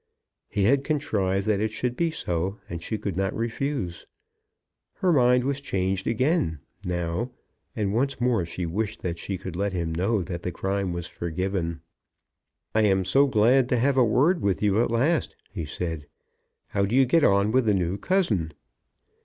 He had contrived that it should be so, and she could not refuse. Her mind was changed again now, and once more she wished that she could let him know that the crime was forgiven. "I am so glad to have a word with you at last," he said. "How do you get on with the new cousin?"